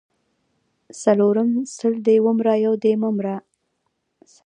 څلرم:سل دي ومره یو دي مه مره